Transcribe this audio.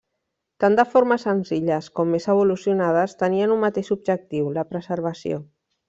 Tant de formes senzilles com més evolucionades, tenien un mateix objectiu: la preservació.